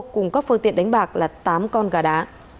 cùng các phương tiện đánh bạc là tám con gà đá